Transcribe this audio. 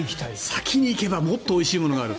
先に行けばもっとおいしいものがある。